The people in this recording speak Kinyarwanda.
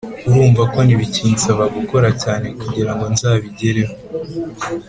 urumva ko bikinsaba gukora cyane kugira ngo nzabigereho